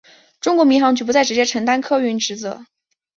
中国民航局不再直接承担客运职责。